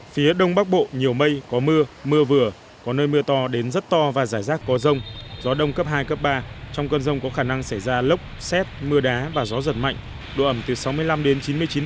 phía đông bắc bộ nhiều mây có mưa mưa vừa có nơi mưa to đến rất to và rải rác có rông gió đông cấp hai cấp ba trong cơn rông có khả năng xảy ra lốc xét mưa đá và gió giật mạnh độ ẩm từ sáu mươi năm đến chín mươi chín độ